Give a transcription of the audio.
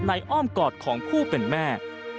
อ้อมกอดของผู้เป็นแม่